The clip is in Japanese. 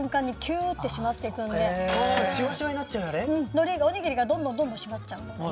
のりがおにぎりがどんどんどんどん締まっちゃう。